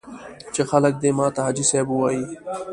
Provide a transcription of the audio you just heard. چې خلک دې ماته حاجي صاحب ووایي.